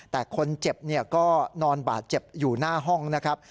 แต่คนเจ็บก็นอนบาดเจ็บอยู่หน้าห้องนะครับ